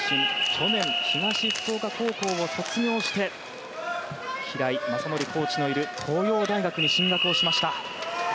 去年、東福岡高校を卒業して平井コーチのいる東洋大学に進学しました。